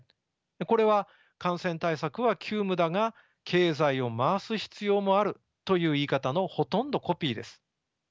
これは「感染対策は急務だが経済を回す必要もある」という言い方のほとんどコピーです。